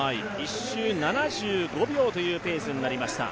１周７５秒というペースとなりました。